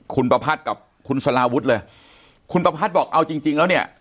คุณปภัทรกับคุณสลาวุฒิ์เลยคุณปภัทรบอกเอาจริงแล้วเนี่ย